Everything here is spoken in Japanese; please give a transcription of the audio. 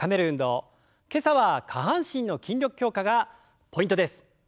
今朝は下半身の筋力強化がポイントです。